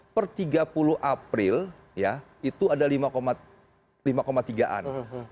per tiga puluh april ya itu ada lima tiga an